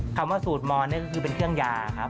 คำว่าสูตรมอนนี่ก็คือเป็นเครื่องยาครับ